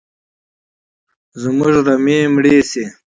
زموږ رمې مړي شي